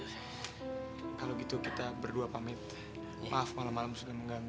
kalau gitu kita berdua pamit maaf malam malam sudah mengganggu